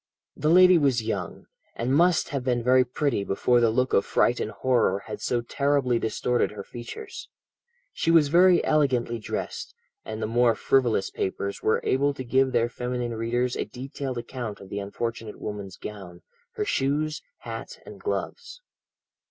"The lady was young, and must have been very pretty before the look of fright and horror had so terribly distorted her features. She was very elegantly dressed, and the more frivolous papers were able to give their feminine readers a detailed account of the unfortunate woman's gown, her shoes, hat, and gloves.